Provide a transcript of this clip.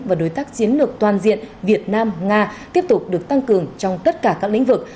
và đối tác chiến lược toàn diện việt nam nga tiếp tục được tăng cường trong tất cả các lĩnh vực